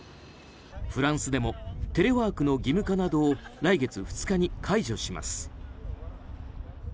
フランスでもテレワークの義務化などを来月２日に解除します。